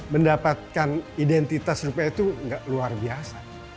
mendapatkan identitas rupa itu nggak luar biasa